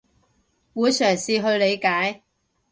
會嘗試去理解